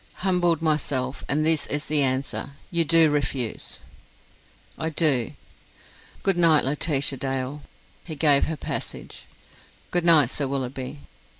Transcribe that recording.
"Humbled myself! And this is the answer! You do refuse?" "I do." "Good night, Laetitia Dale." He gave her passage. "Good night, Sir Willoughby."